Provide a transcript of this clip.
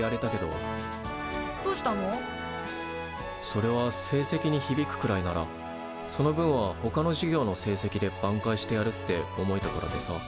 それは成績にひびくくらいならその分はほかの授業の成績で挽回してやるって思えたからでさ。